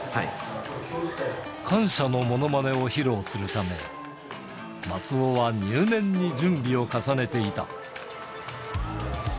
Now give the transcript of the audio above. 感謝のものまねを披露するため、松尾は入念に準備を重ねていた。